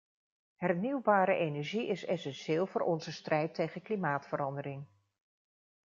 Hernieuwbare energie is essentieel voor onze strijd tegen klimaatverandering.